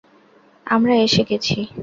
আমরা এসে গেছি।